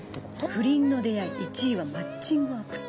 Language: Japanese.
不倫の出会い１位はマッチングアプリ。